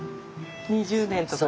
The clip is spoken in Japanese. ２０年とかね。